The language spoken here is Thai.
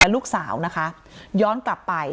ลูกสาวนะคะย้อนกลับไป